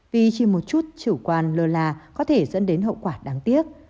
vì chỉ một chút chủ quan lơ là có thể dẫn đến hậu quả đáng tiếc